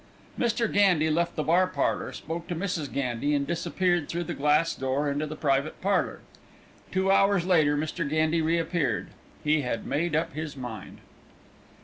Mr. Gandy left the bar parlour, spoke to Mrs. Gandy, and disappeared through the glass door into the private parlour. Two hours later Mr. Gandy reappeared. He had made up his mind.